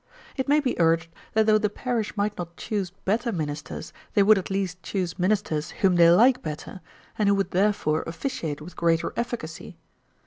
It may be urged, that though the parish might not choose better ministers, they would at least choose ministers whom they like better, and who would therefore officiate with greater efficacy.